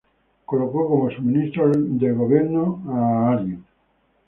Colocó como su ministro de Gobierno al Gral.